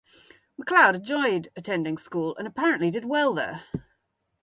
MacLeod enjoyed attending school and apparently did well there.